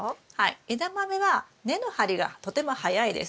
エダマメは根の張りがとても早いです。